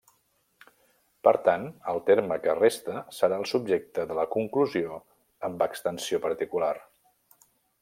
Per tant, el terme que resta serà el subjecte de la conclusió amb extensió particular.